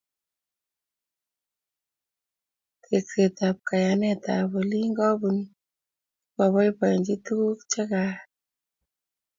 Tekset ab kayanetab olik kobunu kokabaibachi tukuk chekaal